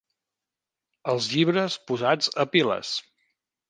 Els llibres posats a piles.